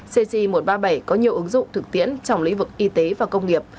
cc một trăm ba mươi bảy có nhiều ứng dụng thực tiễn trong lĩnh vực y tế và công nghiệp